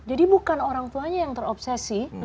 jadi bukan orang tuanya yang terobsesi